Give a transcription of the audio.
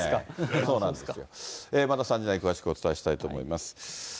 そうなんですよ、また３時台に詳しくお伝えしたいと思います。